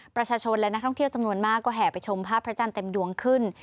ประชาชนและนักท่องเที่ยวจำนวนมากก็แห่ไปชมภาพพระจันทร์เต็มดวงขึ้น